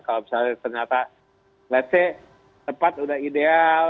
kalau misalnya ternyata let s say tempat sudah ideal